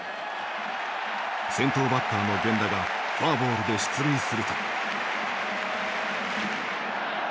先頭バッターの源田がフォアボールで出塁すると。